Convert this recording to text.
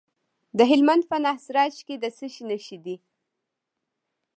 د هلمند په ناهري سراج کې د څه شي نښې دي؟